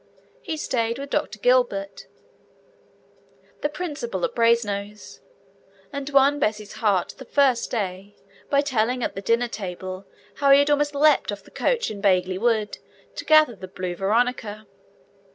He stayed with Dr. Gilbert, then Principal of Brasenose, and won Bessie's heart the first day by telling at the dinner table how he had almost leapt off the coach in Bagley Wood to gather the blue veronica.